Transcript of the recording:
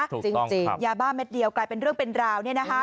จริงอย่าบ้าแม็ดเดียวกลายเป็นเรื่องเป็นราวนี่นะคะ